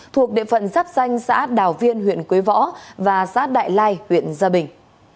thuộc địa phận giáp danh xã đào viên huyện quế võ và xã đại lai huyện gia bình